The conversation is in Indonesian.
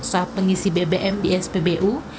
saat mengisi bbm di spbu